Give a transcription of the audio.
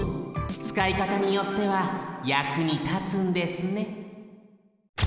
つかいかたによってはやくにたつんですね